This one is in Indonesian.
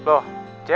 siap mau jogging dulu